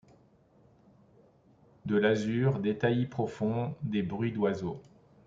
De l’azur, des taillis profonds, des bruits d’oiseaux